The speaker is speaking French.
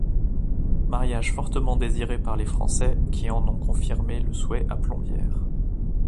Mariage fortement désiré par les Français qui en ont confirmé le souhait à Plombières.